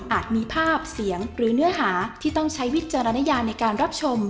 มีภาพเสียงหรือเนื้อหาที่ต้องใช้วิจารณญาในการรับชม